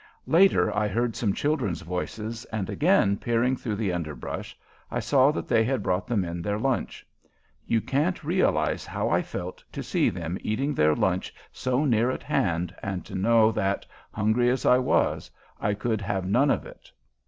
Later I heard some children's voices, and again peering through the underbrush, I saw that they had brought the men their lunch. You can't realize how I felt to see them eating their lunch so near at hand and to know that, hungry as I was, I could have none of it.